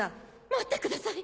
待ってください！